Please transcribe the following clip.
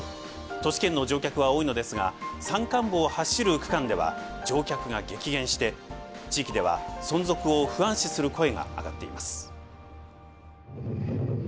都市圏の乗客は多いのですが山間部を走る区間では乗客が激減して地域では存続を不安視する声が上がっています。